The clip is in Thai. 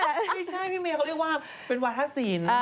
ไม่ใช่พี่เมย์เขาเรียกว่าเป็นวาทักศีล